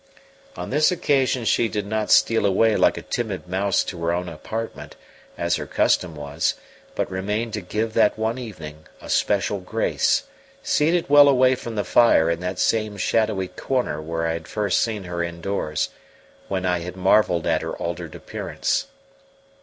On this occasion she did not steal away like a timid mouse to her own apartment, as her custom was, but remained to give that one evening a special grace, seated well away from the fire in that same shadowy corner where I had first seen her indoors, when I had marvelled at her altered appearance.